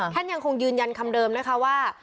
ท่านยังคงยืนยันคำเดิมนะคะว่า